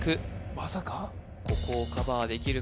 まさかここをカバーできるか？